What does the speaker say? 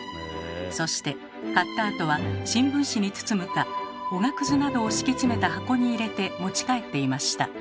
そして買ったあとは新聞紙に包むかおがくずなどを敷き詰めた箱に入れて持ち帰っていました。